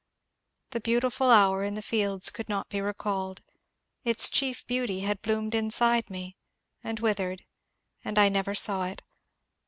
The beautiful hour in the fields could not be recalled. Its chief beauty had bloomed beside me, and withered, and I never saw it.